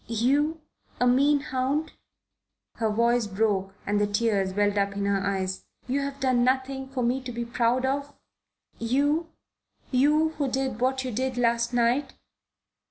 "You? A mean hound?" Her voice broke and the tears welled up in her eyes. "You have done nothing for me to be proud of? You? You who did what you did last night?